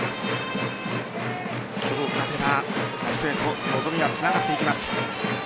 今日勝てば、明日へと望みはつながっていきます。